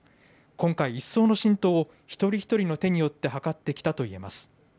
今回一層の浸透を一人一人の手によって図ってきたといえます。